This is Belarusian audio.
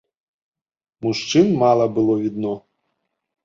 Мужчын мала было відно.